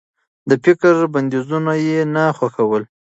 د فکر بنديزونه يې نه خوښول.